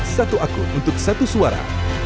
satu akun untuk satu suara